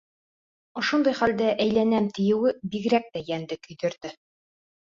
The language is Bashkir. Ошондай хәлдә «әйләнәм» тиеүе бигерәк тә йәнде көйҙөрҙө.